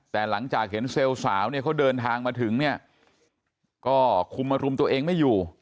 แต่หลังจากเห็นเซลล์สาวเนี่ยเขาเดินทางมาถึงเนี่ยก็คุมมารุมตัวเองไม่อยู่